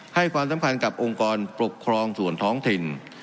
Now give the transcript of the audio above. ให้ความสำคัญกับองค์กรปกครองส่วนท้องถิ่น